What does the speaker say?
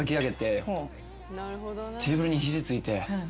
テーブルに肘ついて。